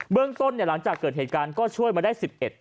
เรื่องต้นหลังจากเกิดเหตุการณ์ก็ช่วยมาได้๑๑